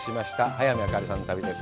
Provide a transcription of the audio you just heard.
早見あかりさんの旅です。